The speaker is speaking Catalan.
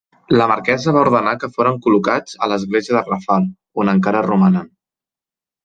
La marquesa va ordenar que foren col·locats a l'Església de Rafal on encara romanen.